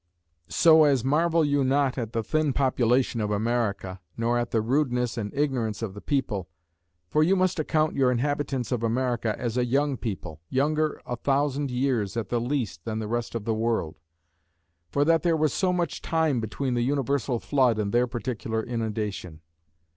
"So as marvel you not at the thin population of America, nor at the rudeness and ignorance of the people; for you must account your inhabitants of America as a young people; younger a thousand years, at the least, than the rest of the world: for that there was so much time between the universal flood and their particular inundation.